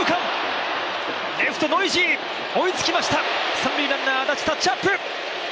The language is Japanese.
三塁ランナー・安達タッチアップ。